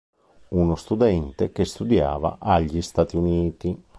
Uno studente che studiava agli Stati Uniti.